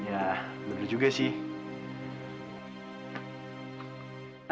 ya bener juga sih